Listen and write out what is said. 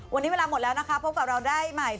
วันนี้เวลาหมดแล้วนะคะพบกับเราได้ใหม่